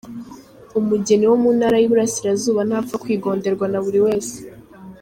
Umugeni wo mu Ntara y’Iburasirazuba ntapfa kwigonderwa na buri wese.